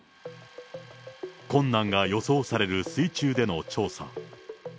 困難が予想される水中での調査。